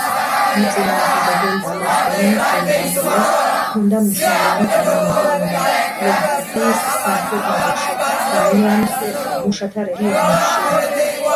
მოწინააღმდეგე იტალიის კომუნისტური პარტიას ჰქონდა მნიშვნელოვანი წარმომადგენლობა ლომბარდიის სამხრეთ ნაწილში და მილანის მუშათა რეგიონებში.